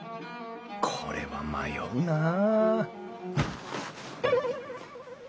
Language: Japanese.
これは迷うなあ